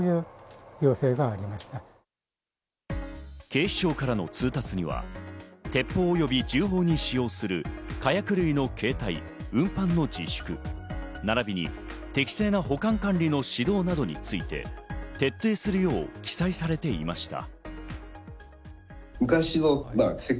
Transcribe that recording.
警視庁からの通達には、鉄砲及び銃砲に使用する火薬類の運搬の自粛並びに適正な保管管理の指導などについて徹底するよう記載されていました。